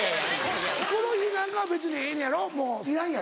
ヒコロヒーなんかは別にええのやろもういらんやろ？